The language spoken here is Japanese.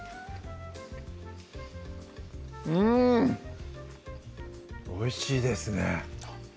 うんおいしいですね